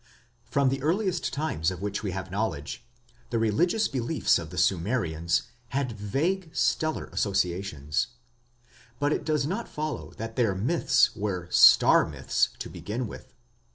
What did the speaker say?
From the earliest times of which we have knowledge, the religious beliefs of the Sumerians had vague stellar associations. But it does not follow that their myths were star myths to begin with.